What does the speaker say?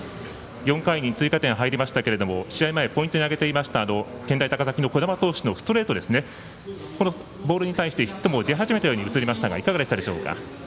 ４回に追加点が入りましたけども試合前にポイントに挙げていました健大高崎の小玉投手のストレートに対してヒットも出始めたように映りましたがいかがでしたでしょうか。